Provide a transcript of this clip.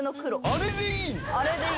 あれでいい。